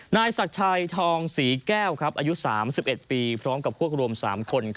นายศักดิ์ชัยทองศรีแก้วอายุ๓๑ปีพร้อมกับพวกรวม๓คน